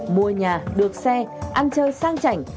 mua nhà được xe ăn chơi sang chảnh